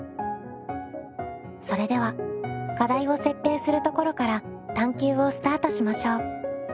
それでは課題を設定するところから探究をスタートしましょう。